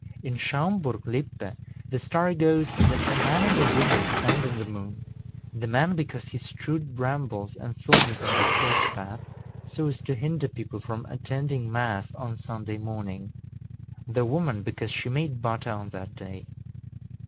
In Schaumburg Lippe, the story goes, that a man and a woman stand in the moon, the man because he strewed brambles and thorns on the church path, so as to hinder people from attending Mass on Sunday morning; the woman because she made butter on that day.